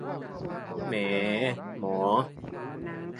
แหมหมอ